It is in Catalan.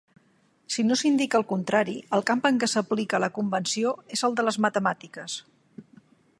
Si no s'indica el contrari, el camp en què s'aplica la convenció és el de les matemàtiques.